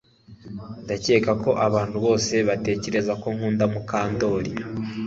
Ndakeka ko abantu bose batekereza ko nkunda Mukandoli